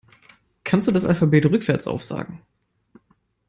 Kannst du das Alphabet rückwärts aufsagen?